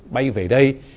bay về đây